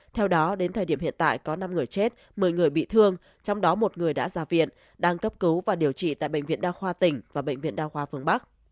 theo đó đến thời điểm hiện tại có năm người chết một mươi người bị thương trong đó một người đã ra viện đang cấp cứu và điều trị tại bệnh viện đa khoa tỉnh và bệnh viện đa khoa phương bắc